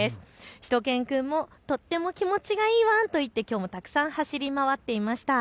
しゅと犬くんもとっても気持ちがいいワンと言ってきょうもたくさん走り回っていました。